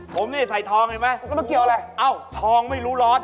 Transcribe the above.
ผมนี่ใส่ทองเห็นไหมก็ต้องเกี่ยวอะไรเอ้าทองไม่รู้ร้อน